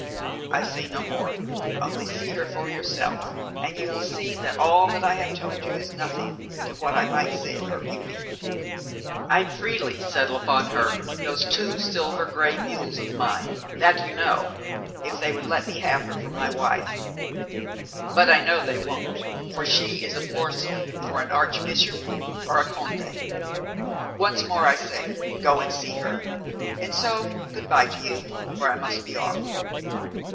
I say no more, only see her for yourself, and you will see that all I have told you is nothing to what I might say of her beauty. I'd freely settle upon her those two silver gray mules of mine that you know, if they would let me have her for my wife; but I know they won't, for she is a morsel for an archbishop or a conde. Once more I say, go and see her; and so, good bye to you, for I must be off."